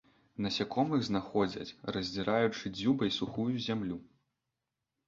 Насякомых знаходзяць, раздзіраючы дзюбай сухую зямлю.